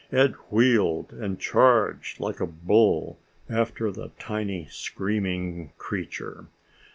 Ed wheeled and charged like a bull after the tiny screaming creature.